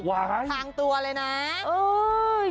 ว้าย